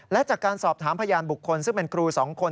และจากการสอบถามพยานบุคคลซึ่งเป็นครู๒คน